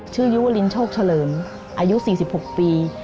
ยุวลินโชคเฉลิมอายุ๔๖ปี